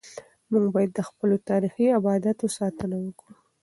موږ باید د خپلو تاریخي ابداتو ساتنه وکړو.